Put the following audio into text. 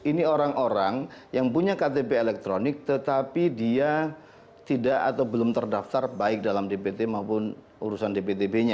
ini orang orang yang punya ktp elektronik tetapi dia tidak atau belum terdaftar baik dalam dpt maupun urusan dptb nya